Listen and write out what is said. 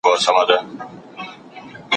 ما یې لیدی پر یوه لوړه څانګه